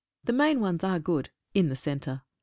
The main ones are good — in the centre.